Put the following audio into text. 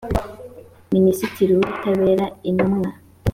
minisitiri w ubutabera intumwa